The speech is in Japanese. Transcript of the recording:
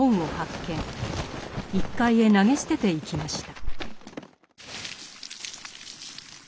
１階へ投げ捨てていきました。